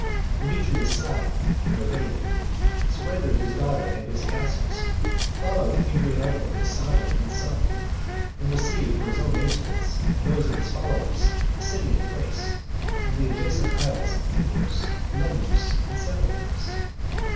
Demetrius sighed and obeyed; surrendered his daughter and his castles; followed to Adrianople his sovereign and his son; and received for his own maintenance, and that of his followers, a city in Thrace and the adjacent isles of Imbros, Lemnos, and Samothrace.